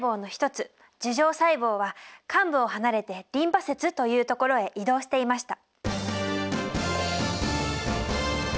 樹状細胞は患部を離れてリンパ節という所へ移動していました。